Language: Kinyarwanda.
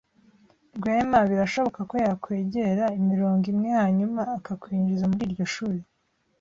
Rwema birashoboka ko yakwegera imirongo imwe hanyuma akakwinjiza muri iryo shuri.